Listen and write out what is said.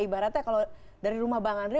ibaratnya kalau dari rumah bang andre